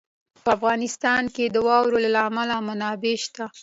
په افغانستان کې د واورو له امله منابع شته.